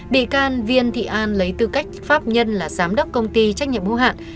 bị can viên thị an lấy tư cách pháp nhân là giám đốc công ty trách nhiệm hữu hạn